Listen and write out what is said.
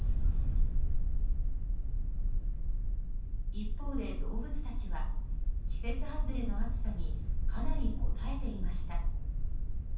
一方で動物たちは季節外れの暑さにかなりこたえていました。